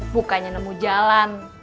bukannya nemu jalan